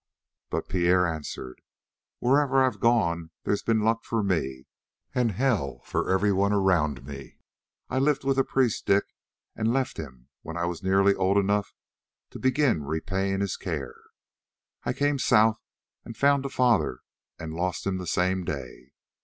But Pierre answered: "Wherever I've gone there's been luck for me and hell for everyone around me. I lived with a priest, Dick, and left him when I was nearly old enough to begin repaying his care. I came South and found a father and lost him the same day.